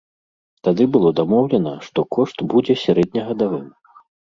Тады было дамоўлена, што кошт будзе сярэднегадавым.